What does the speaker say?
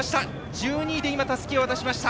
１２位でたすきを渡しました。